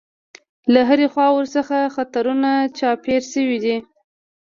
له هرې خوا ورڅخه خطرونه چاپېر شوي دي.